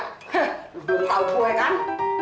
hah lo belum tau gue kan